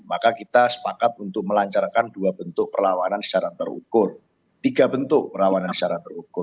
maka kita sepakat untuk melancarkan dua bentuk perlawanan secara terukur tiga bentuk perlawanan secara terukur